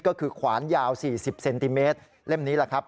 ก็คือขวานยาว๔๐เซนติเมตรเล่มนี้แหละครับ